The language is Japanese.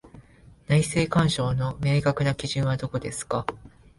内政干渉の明確な基準はどこですか？